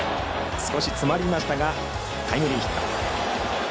少し詰まりましたがタイムリーヒット。